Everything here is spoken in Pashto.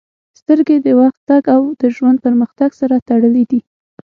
• سترګې د وخت تګ او د ژوند پرمختګ سره تړلې دي.